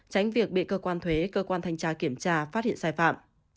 tránh việc bị cơ quan thuế cơ quan thanh tra kiểm tra phát hiện sai phạm